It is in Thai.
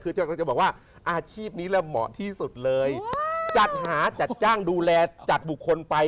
คือเราจะบอกว่าอาชีพนี้ละเหมาะที่สุดเลยจัดหาจัดจ้างดูแลจัดบุคคลไป